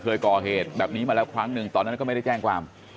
เคยก่อเหตุแบบนี้มาแล้วครั้งหนึ่งตอนนั้นก็ไม่ได้แจ้งความ